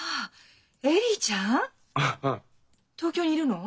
東京にいるの？